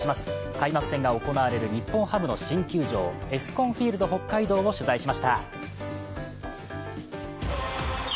開幕戦が行われる日本ハムの新球場、ＥＳＣＯＮＦＩＥＬＤＨＯＫＫＡＩＤＯを取材しました。